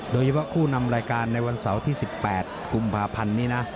โดยเฉพาะคู่นำรายการในวันเสาร์ที่๑๘กุมภาพันธ์นี้นะ